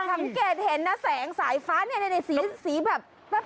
สังเกตเห็นนะแสงสายฟ้าเนี่ยสีแบบ